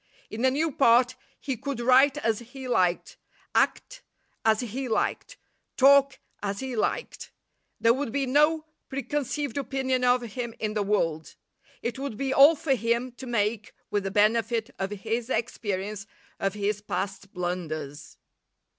In a new part he could write as he liked; act as he liked; talk as he liked. There would be no preconceived opinion of him in the world; it would be all for him to make with the benefit of his experience of his past blunders.